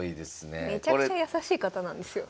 めちゃくちゃ優しい方なんですよ。